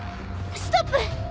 ストップ！